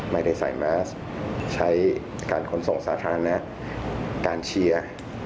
ไม่ได้ใส่แมสใช้การขนส่งสาธารณะการเชียร์